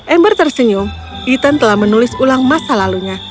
ember tersenyum ethan telah menulis ulang masa lalunya